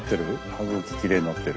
歯ぐききれいになってる。